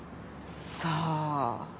さあ。